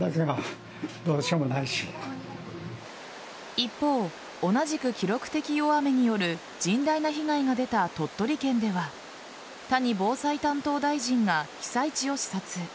一方、同じく記録的大雨による甚大な被害が出た鳥取県では谷防災担当大臣が被災地を視察。